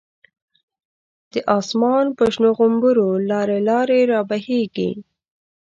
د آسمان په شنو غومبرو، لاری لاری رابهیږی